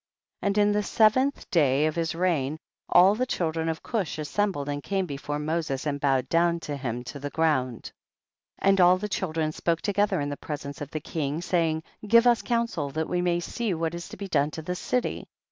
4. And in the seventh day of his reign, all the children of Cush as sembled and came before Moses and bowed down to him to the ground, 5. And all the children spoke to gether in the presence of the king, saying, give us counsel that we may see what is to be done to this city.